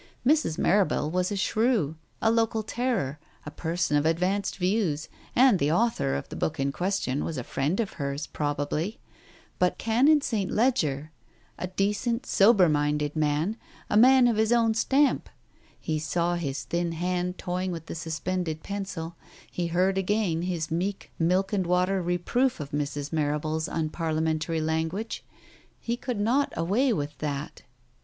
Mrs. Marrable was a shrew, a local terror, a person of advanced views, and the author of the book in question was a friend of hers, probably ?... But Canon St. Leger, a decent, sober minded man, a man of his own stamp 1 ... He saw his thin hand toy u 2 Digitized by Google 292 TALES OF THE UNEASY ing with the suspended pencil, he heard again his meek milk and water reproof of Mrs. Marrable's unparliament ary language. ... He could not away with that.